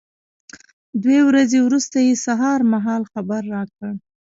دوې ورځې وروسته یې سهار مهال خبر را کړ.